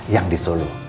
yang di solo